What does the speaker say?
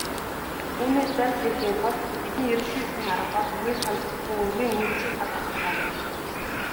Үүнээс зайлсхийхийн тулд бидний эрэлхийлсэн арга бол үгийн санд зөвхөн "үгийн үндсийг хадгалах" юм.